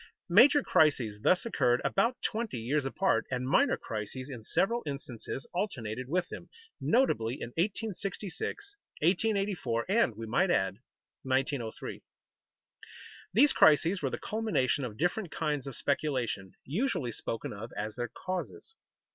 Major crises thus occurred about twenty years apart, and minor crises in several instances alternated with them, notably in 1866, 1884, and we might add, 1903. These crises were the culmination of different kinds of speculation, usually spoken of as their causes.